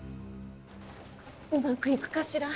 うまくいくかしら。